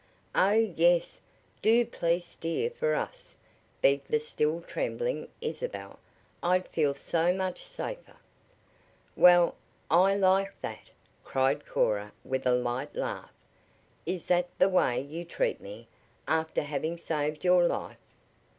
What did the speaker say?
"Oh, yes! Do please steer for us," begged the still trembling Isabel. "I'd feel so much safer " "Well, I like that!" cried Corm with a light laugh. "Is that the way you treat me, after having saved your life?"